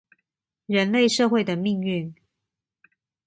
人類社會的命運